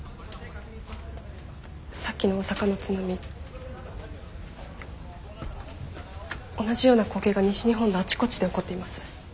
さっきの大阪の津波同じような光景が西日本のあちこちで起こっています。